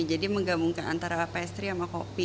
jadi menggabungkan antara pastry sama kopi